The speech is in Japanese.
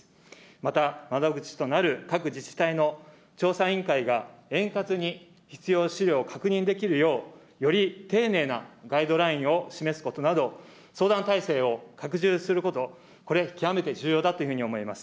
また窓口となる各自治体の調査委員会が、円滑に必要資料を確認できるよう、より丁寧なガイドラインを示すことなど、相談体制を拡充すること、これ、極めて重要だというふうに思います。